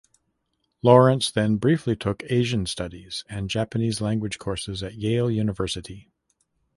Lawrence then briefly took Asian studies and Japanese language courses at Yale University.